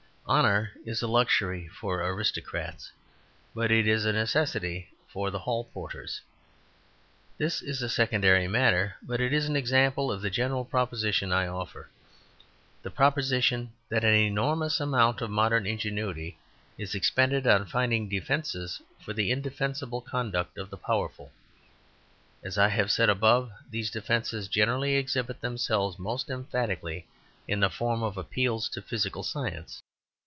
Honour is a luxury for aristocrats, but it is a necessity for hall porters. This is a secondary matter, but it is an example of the general proposition I offer the proposition that an enormous amount of modern ingenuity is expended on finding defences for the indefensible conduct of the powerful. As I have said above, these defences generally exhibit themselves most emphatically in the form of appeals to physical science.